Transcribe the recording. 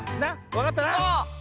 わかったな？